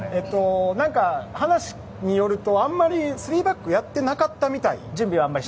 話によると、あまり３バックをやっていなかったみたい。